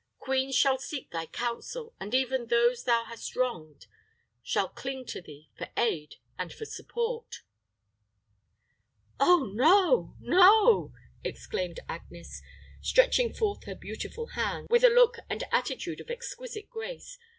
Queens shall seek thy counsel, and even those thou hast wronged shall cling to thee for aid and for support." "Oh, no no," exclaimed Agnes, stretching forth her beautiful hands, with a look and attitude of exquisite grace.